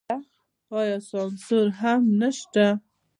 آیا سانسور هم نشته؟